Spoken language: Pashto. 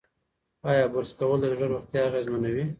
ایا برس کول د زړه روغتیا اغېزمنوي؟